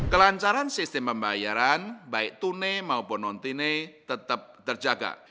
kelancaran sistem pembayaran baik tunai maupun non tunai tetap terjaga